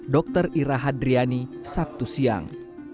dr ira hadriani sabtu siang